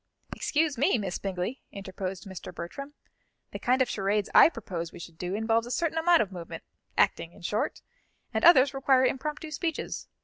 "Excuse me, Miss Bingley," interposed Mr. Bertram, "the kind of charades I propose we should do involves a certain amount of movement acting, in short; and others require impromptu speeches.